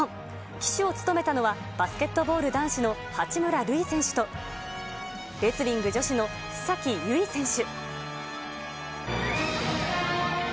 旗手を務めたのは、バスケットボール男子の八村塁選手と、レスリング女子の須崎優衣選手。